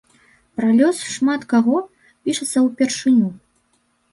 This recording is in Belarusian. Пра лёс шмат каго пішацца ўпершыню.